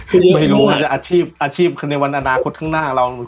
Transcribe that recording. หรือไม่รู้อาชีพคือในวันอนาคตข้างหน้าของเรา